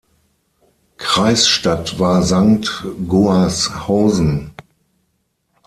Kreisstadt war Sankt Goarshausen.